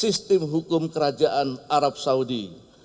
sistem hukum kerajaan arab saudi